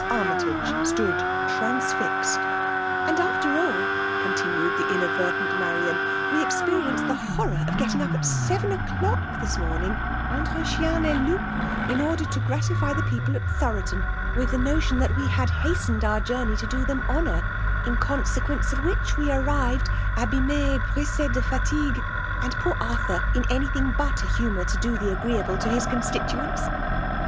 Army tage stood transfixed ! :i ■ ''And after all,"^ continued the.iaadYertent; Marian, " we experienced the horror of getting up. at seven o'clock this morning, entte chidn ^t loup^ in order to gratify the people at Th6iXH ton with the notion that we had hastened our: j^nmcf ^<> ctoihem lionoar ; in consequence* of ^vlikb wB: armed, abimei, bruSi dejatiguey oad poar^Arihiir in anything but a huthonrtod^ the agreeable to his constitaentst.